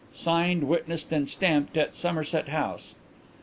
Signed, witnessed and stamped at Somerset House."